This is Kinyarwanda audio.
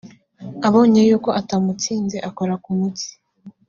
abonye yuko atamutsinze akora ku mutsi